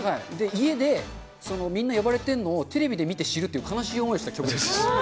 家で、みんな呼ばれてるのをテレビで見て知るという、悲しい思いをした曲です。